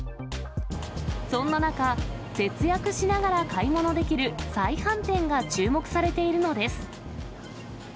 そんな中、節約しながら買い物できる再販店が注目されているのです。